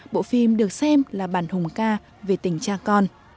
bộ phim được xem là bản hùng ca về tình cha con